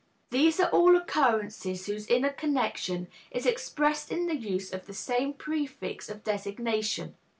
These are all occurrences whose inner connection is expressed in the use of the same prefix of designation.